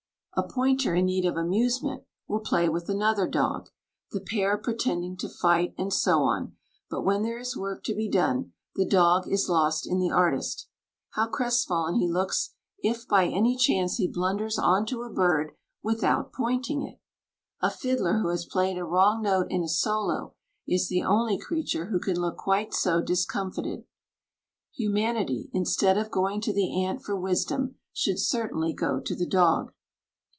A pointer in need of amusement will play with another dog the pair pretending to fight, and so on, but when there is work to be done, the dog is lost in the artist. How crestfallen he looks if by any chance he blunders on to a bird without pointing it! A fiddler who has played a wrong note in a solo is the only creature who can look quite so discomfited. Humanity, instead of going to the ant for wisdom, should certainly go to the dog.